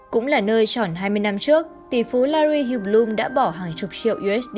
cũng là nơi chọn hai mươi năm trước tỷ phú larry hillblum đã bỏ hàng chục triệu usd